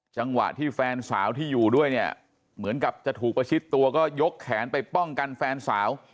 จังหวะที่แฟนสาวที่อยู่ด้วยเนี่ยเหมือนกับจะถูกประชิดตัวก็ยกแขนไปป้องกันแฟนสาว